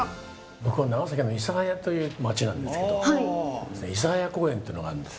僕はね、長崎の諫早という町なんですけど、諫早公園というのがあるんです。